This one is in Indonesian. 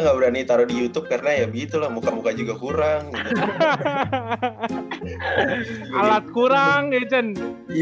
nggak berani taruh di youtube karena ya gitu lah muka muka juga kurang alat kurang ya cun iya